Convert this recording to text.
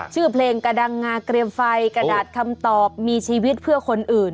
ชื่อเพลงกระดังงาเกรียมไฟกระดาษคำตอบมีชีวิตเพื่อคนอื่น